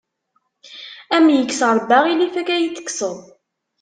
Ad am-yekkes Ṛebbi aɣilif akka iyi-t-tekkseḍ.